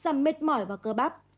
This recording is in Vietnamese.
giảm mệt mỏi và cơ bắp